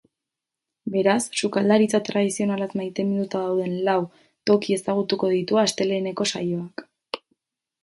Beraz, sukaldaritza tradizionalaz maiteminduta dauden lau toki ezagutuko ditu asteleheneko saioak.